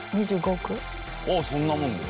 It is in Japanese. あっそんなもんで？